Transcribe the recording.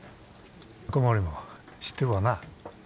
小森も知ってるわな。